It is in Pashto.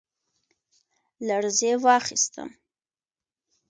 لـړزې واخيسـتم ،